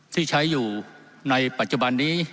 ที่ใช้อยู่ในปัจจุบันนี้